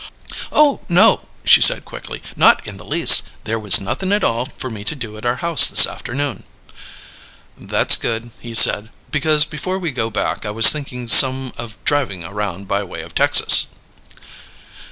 "Oh, no!" she said quickly. "Not in the least! There was nothin' at all for me to do at our house this afternoon." "That's good," he said, "because before we go back I was thinking some of driving around by way of Texas."